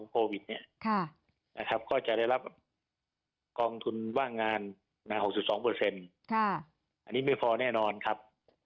เค้าชอบนะครับที่คุณคุณซั่งหน้าเอางานค่ะอันนี้ไม่พอแน่นอนครับ